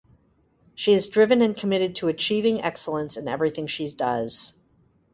She is driven and committed to achieving excellence in everything she does.